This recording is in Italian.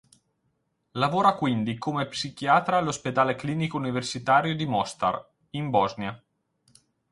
Lavora quindi come psichiatra all'Ospedale Clinico Universitario di Mostar, in Bosnia.